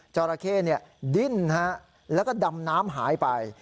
จราเข้ดิ้นแล้วก็ดำน้ำหายไป